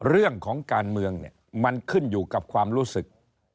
เรื่องของการเมืองเนี่ยมันขึ้นอยู่กับความรู้สึก